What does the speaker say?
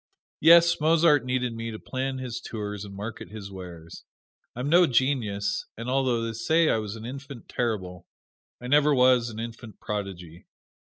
Yes, Mozart needed me to plan his tours and market his wares. I'm no genius, and although they say I was an infant terrible, I never was an infant prodigy.